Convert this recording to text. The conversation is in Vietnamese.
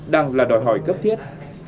đang là đòi hỏi cấp thiết